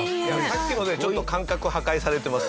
さっきのでちょっと感覚破壊されてます。